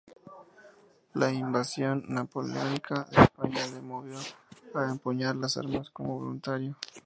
La invasión napoleónica de España le movió a empuñar las armas como voluntario.